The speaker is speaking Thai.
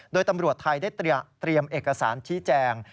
โดยตำรวจไทยได้เตรียมเอกสารชี้แจง